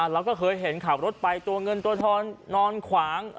เราก็เคยเห็นขับรถไปตัวเงินตัวทอนนอนขวาง